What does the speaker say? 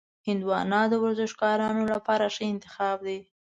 هندوانه د ورزشکارانو لپاره ښه انتخاب دی.